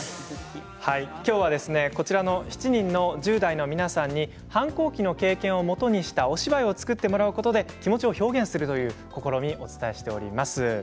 きょうは、この７人の１０代の皆さんに反抗期の経験をもとにしたお芝居を作ってもらうことで、気持ちを表現するという試みをお伝えしています。